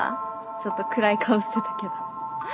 ちょっと暗い顔してたけど。